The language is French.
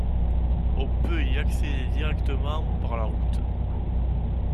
On peut y accéder directement par la route.